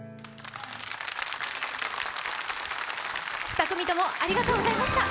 二組ともありがとうございました。